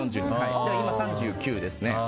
だから今３９ですね。